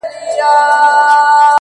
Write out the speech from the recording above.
• نورو ټولو به وهل ورته ټوپونه,